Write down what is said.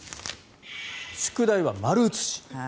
宿題は丸写し。